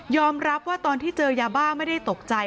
รับว่าตอนที่เจอยาบ้าไม่ได้ตกใจ